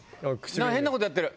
何か変なことやってる！